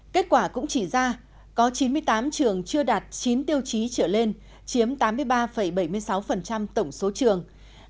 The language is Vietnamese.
kết quả cũng chỉ ra có chín mươi tám trường chưa đạt chín tiêu chí trở lên chiếm tám mươi ba bảy mươi sáu tổng số trường